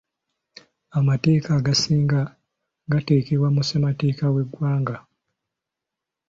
Amateeka agasinga g’atekebwa mu ssemateeka w’eggwanga.